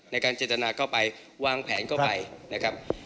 ในการเจตนาเข้าไปวางแผนเข้าไปนะครับ